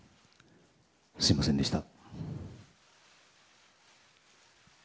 すみませんでした。